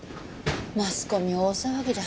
マスコミ大騒ぎだ。